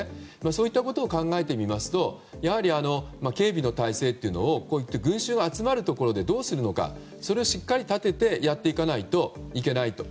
そういったことを考えてみますとやはり、警備の態勢を群衆が集まるところでどうするのかをしっかり考えてやっていかないといけないと。